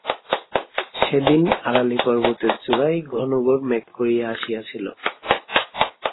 সেদিন আরালী পর্বতের চূড়ায় ঘনঘোর মেঘ করিয়া আসিয়াছিল।